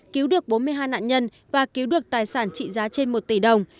cứu được bốn mươi hai nạn nhân và cứu được tài sản trị giá trên một tỷ đồng